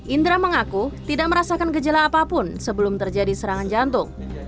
indra mengaku tidak merasakan gejala apapun sebelum terjadi serangan jantung